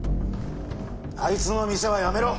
あいつの店は辞めろ！